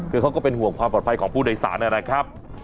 คือเขาก็เป็นห่วงความปลอดภัยของผู้โดยสารนะครับ